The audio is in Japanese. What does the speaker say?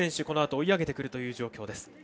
このあと追い上げてくるという状況です。